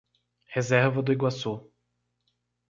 Reserva do Iguaçu